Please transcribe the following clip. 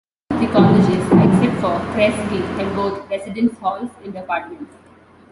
All of the colleges, except for Kresge, have both residence halls and apartments.